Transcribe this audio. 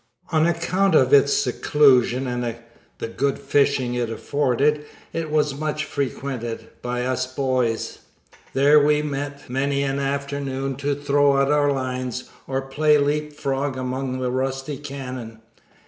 On account of its seclusion and the good fishing it afforded, it was much frequented by us boys. There we met many an afternoon to throw out our lines, or play leap frog among the rusty cannon.